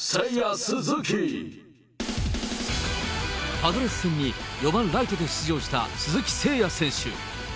パドレス戦に４番ライトで出場した鈴木誠也選手。